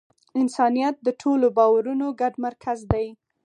انسانیت د ټولو باورونو ګډ مرکز دی.